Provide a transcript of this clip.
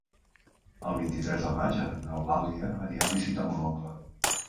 El vint-i-tres de maig n'Eulàlia anirà a visitar mon oncle.